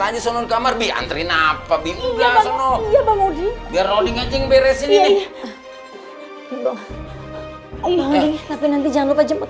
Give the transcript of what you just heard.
aja sono kamar biantri nafabi udah sono biar rodi ngajing beresin ini nanti jangan lupa jemput